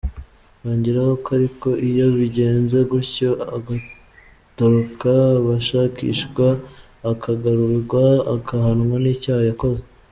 Yongeraho ko ariko iyo bigenze gutyo agatoroka ashakishwa, akagarurwa, agahanwa n’icyaha yakoze.